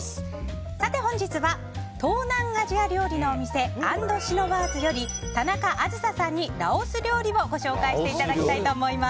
本日は東南アジア料理のお店アンドシノワーズより田中あずささんにラオス料理をご紹介していただきたいと思います。